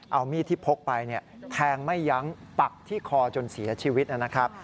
เอามีดที่พกไปแทงไม่ยั้งปักที่คอจนเสียชีวิตนะครับ